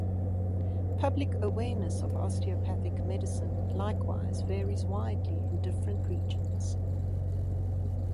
Public awareness of osteopathic medicine likewise varies widely in different regions.